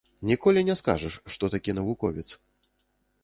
Ніколі не скажаш, што такі навуковец.